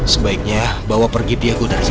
sebaiknya bawa pergi dia gue dari sini